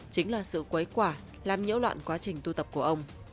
chính là sự quấy quả làm nhiễu loạn quá trình tu tập của ông